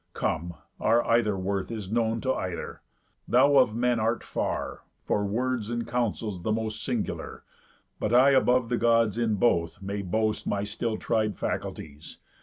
Come, our either worth Is known to either. Thou of men art far, For words and counsels, the most singular, But I above the Gods in both may boast My still tried faculties.